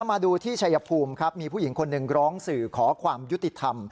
มาดูที่ชัยภูมิครับมีผู้หญิงคนหนึ่งร้องสื่อขอความยุติธรรม